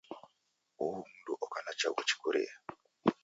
Uhu mundu oka na chaghu chikurie.